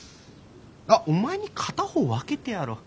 あっお前に片方分けてやろう。